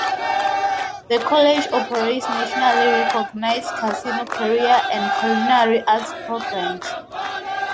The college operates nationally recognized casino career and culinary arts programs.